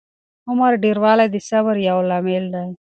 عمر ډېروالی د صبر یو لامل دی.